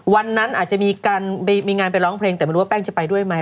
วันนั้นอาจจะมีการมีงานไปร้องเพลงแต่ไม่รู้ว่าแป้งจะไปด้วยไหม